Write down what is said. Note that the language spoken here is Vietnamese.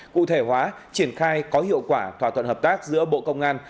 cụ thể hóa triển khai có hiệu quả thỏa thuận hợp tác giữa bộ công an